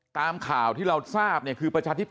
ตามข่าวที่เราทราบเนี่ยคือประชาธิปัต